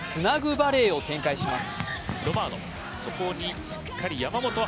バレーを展開します。